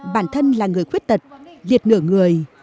bản thân là người khuyết tật liệt nửa người